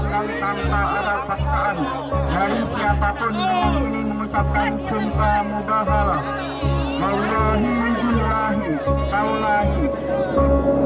kesadaran langkang tak ada paksaan dari siapapun yang ini mengucapkan sumpah mubahalah